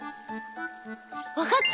わかった！